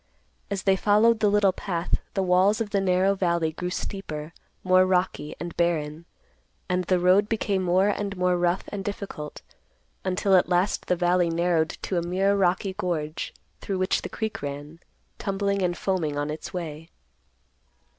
As they followed the little path, the walls of the narrow valley grew steeper, more rocky, and barren; and the road became more and more rough and difficult, until at last the valley narrowed to a mere rocky gorge, through which the creek ran, tumbling and foaming on its way.